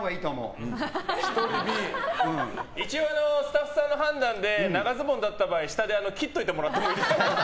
一応スタッフさんの判断で長ズボンだった場合、下で切っておいてもらっていいですか。